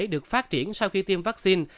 được phát triển sau khi tiêm vaccine